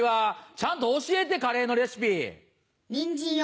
ちゃんと教えてカレーのレシピ。